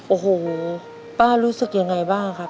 โอ้โหป้ารู้สึกยังไงบ้างครับ